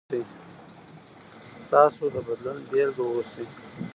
تاسو د بدلون بیلګه اوسئ.